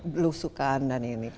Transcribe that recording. berusukan dan ini